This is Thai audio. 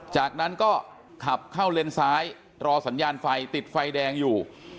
จากนั้นก็ขับเข้าเลนซ้ายรอสัญญาณไฟติดไฟแดงอยู่